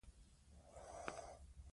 شفافیت د هر نظام لپاره اړین دی.